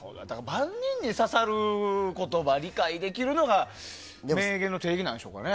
万人に刺さる言葉理解できるのが名言の定義なんでしょうね。